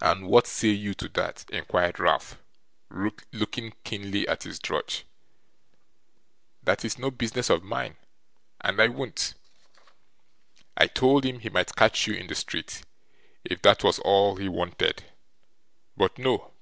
'And what say you to that?' inquired Ralph, looking keenly at his drudge. 'That it's no business of mine, and I won't. I told him he might catch you in the street, if that was all he wanted, but no!